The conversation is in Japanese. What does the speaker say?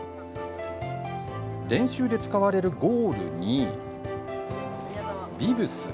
練習で使われるゴールに、ビブス。